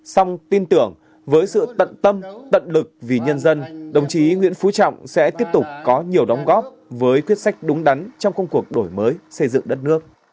xong tin tưởng với sự tận tâm tận lực vì nhân dân đồng chí nguyễn phú trọng sẽ tiếp tục có nhiều đóng góp với quyết sách đúng đắn trong công cuộc đổi mới xây dựng đất nước